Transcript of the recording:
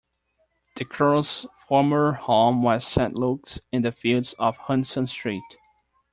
The Chorale's former home was Saint Luke's in the Fields on Hudson Street.